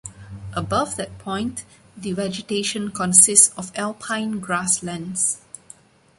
Above that point, the vegetation consists of alpine grasslands.